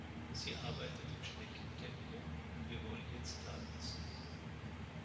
Sie arbeitet im Schneckentempo, und wir wollen jetzt Taten sehen.